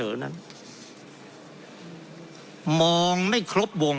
เพราะเรามี๕ชั่วโมงครับท่านนึง